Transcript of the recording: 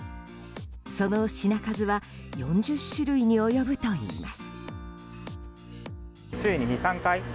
その品数は４０種類に及ぶといいます。